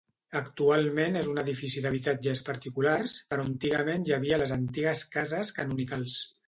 Actualment és un edifici d'habitatges particulars, però antigament hi havia les antigues cases canonicals.